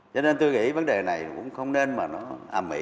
cho nên tôi nghĩ vấn đề này cũng không nên mà nó ẩm ý